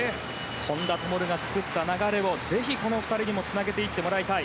本多灯が作った流れをぜひ、この２人にもつなげていってもらいたい。